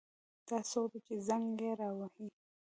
دا څوک ده چې زنګ یې را وهي